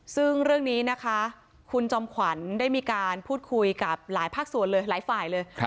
ซึ่งเรื่องนี้นะคะคุณจอมขวัญได้มีการพูดคุยกับหลายภาคส่วนเลยหลายฝ่ายเลย